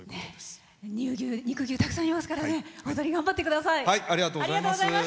乳牛、肉牛たくさんありますからね頑張ってください。